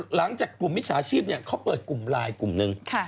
หลังจากกลุ่มมิจฉาชีพเขาเปิดกลุ่มไลน์กลุ่มหนึ่ง